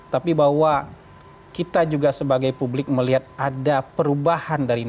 tapi bahwa kita juga sebagai publik melihat ada perubahan dari